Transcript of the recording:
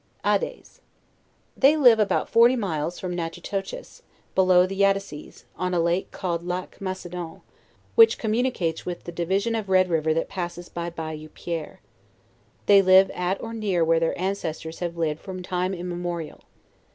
ADAIZE. They live about forty miles from Natchitoches,, below the Yattassees, on t a lake called Lac Macedon, which communicates with the division of Red river that passess by Bayou Pierre. They live at or near where their ancestors have lived from time immemorial.